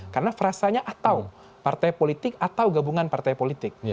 karena frasanya atau partai politik atau gabungan partai politik